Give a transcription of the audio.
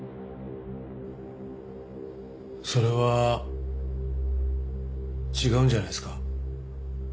それは違うんじゃないですか？